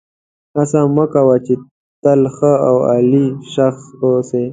هڅه مه کوه چې تل ښه او عالي شخص واوسې.